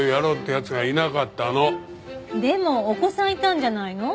でもお子さんいたんじゃないの？